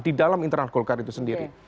di dalam internal golkar itu sendiri